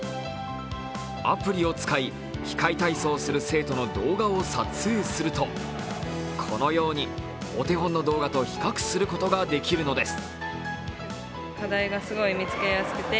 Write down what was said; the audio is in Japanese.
アプリを使い、器械体操する生徒の動画を撮影すると、このように、お手本の動画と比較することができるのです。